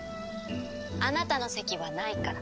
あなたの席はないから。